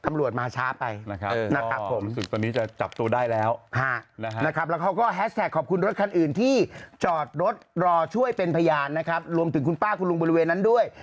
ตำรวจมาช้าไปนะครับผมณครับนะคะผมแล้ว